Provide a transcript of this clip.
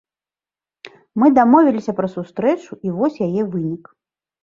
Мы дамовіліся пра сустрэчу, і вось яе вынік.